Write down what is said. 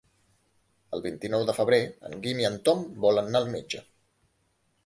El vint-i-nou de febrer en Guim i en Tom volen anar al metge.